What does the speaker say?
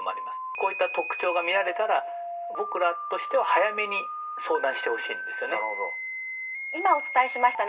こういった特徴が見られたら僕らとしては早めに相談してほしいんですよね。